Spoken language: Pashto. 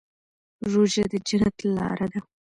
روژه د جنت لاره ده.